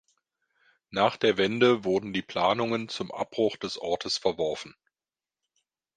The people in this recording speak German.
Nach der Wende wurden die Planungen zum Abbruch des Ortes verworfen.